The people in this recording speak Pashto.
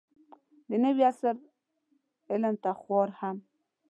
د نوي عصر علم ته خوار هم